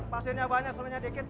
pastinya banyak selain dekit